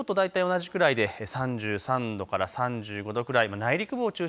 最高気温はきょうと大体同じくらいで３３度から３５度くらい。